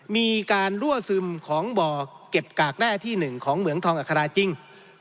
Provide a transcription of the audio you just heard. มีการรั่วซึมของบ่อเก็บกากแร่ที่๑ของเหมืองทองอัคราจริง